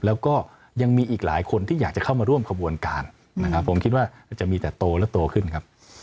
แล้วก็ยังมีอีกหลายคนที่อยากจะเข้ามาร่วมขบวนการนะครับผมคิดว่าจะมีแต่โตและโตขึ้นครับ